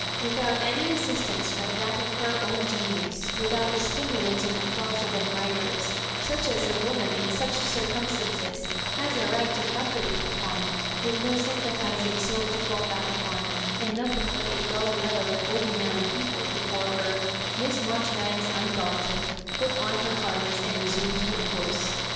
Without any assistance but that of her own genius — without the stimulating ap plause of admirers, such' as a woman in such circumstances has a right to calculate upon — with no sympathising soul to fall back upon, and nothing but a dull level of ordinary people be fore her, — Miss Maijoribanks, undaunted, put on her harness and resumed her course.